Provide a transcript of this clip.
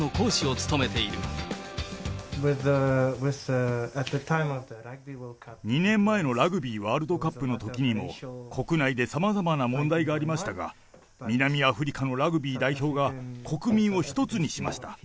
現在、２年前のラグビーワールドカップのときにも、国内でさまざまな問題がありましたが、南アフリカのラグビー代表が国民を一つにしました。